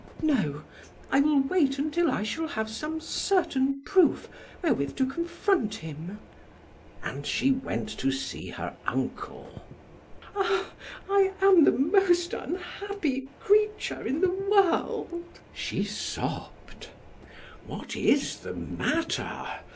No, I will wait until I shall have some certain proof wherewith to confront him." And she went to seek her uncle. "Ah, I am the most unhappy creature in the world!" she sobbed. "What is the matter?"